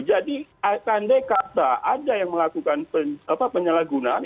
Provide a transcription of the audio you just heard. jadi andai kata ada yang melakukan penyalahgunaan